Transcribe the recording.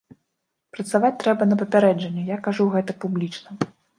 Працаваць трэба на папярэджанне, я кажу гэта публічна.